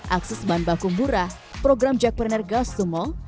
akses bahan baku murah program jackpreneur gaston mall